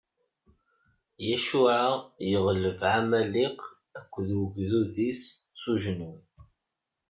Yacuɛa yeɣleb Ɛamaliq akked ugdud-is s ujenwi.